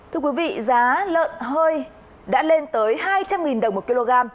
thưa quý vị giá lợn hơi đã lên tới hai trăm linh đồng một kg